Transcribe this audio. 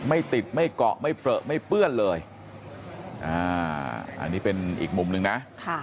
ไม่ติดไม่เกาะไม่เปลือไม่เปื้อนเลยอันนี้เป็นอีกมุมหนึ่งนะ